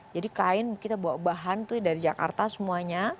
jadi kain kita bawa bahan dari jakarta semuanya